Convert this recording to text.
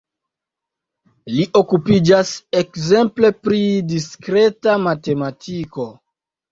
Li okupiĝas ekzemple pri diskreta matematiko.